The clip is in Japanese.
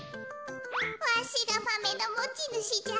わしがマメのもちぬしじゃ。